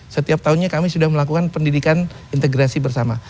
setiap tahunnya kami sudah melakukan pendidikan integrasi bersama